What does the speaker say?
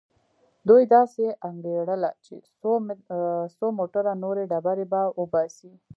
دوی داسې انګېرله چې څو موټره نورې ډبرې به وباسي.